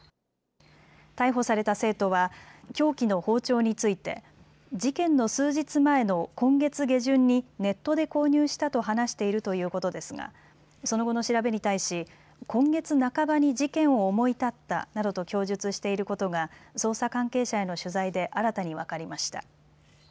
逮捕された生徒は凶器の包丁について事件の数日前の今月下旬にネットで購入したと話しているということですがその後の調べに対し、今月半ばに事件を思い立ったなどと供述していることが捜査関係者への取材で新たに分かりました。